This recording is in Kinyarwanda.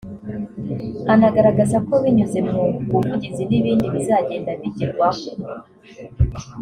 anagaragaza ko binyuze mu buvugizi n’ibindi bizagenda bigerwaho